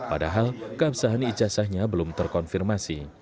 padahal keabsahan ijazahnya belum terkonfirmasi